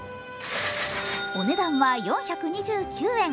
お値段は４２９円。